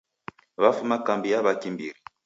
Wafuma kambi ya w'akimbiri.